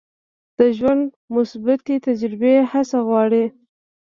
د ژوند مثبتې تجربې هڅه غواړي.